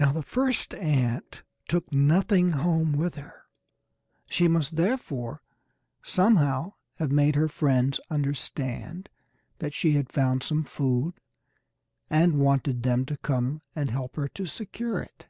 Now the first ant took nothing home with her; she must therefore somehow have made her friends understand that she had found some food, and wanted them to come and help her to secure it.